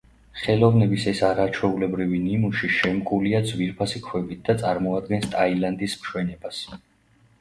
ხელოვნების ეს არაჩვეულებრივი ნიმუში შემკულია ძვირფასი ქვებით და წარმოადგენს ტაილანდის მშვენებას.